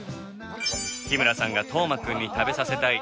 日村さんが斗真君に食べさせたい